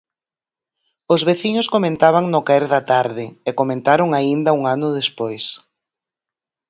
Os veciños comentaban no caer da tarde, e comentaron aínda un ano despois.